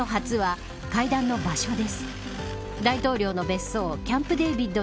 ２つ目の初は会談の場所です。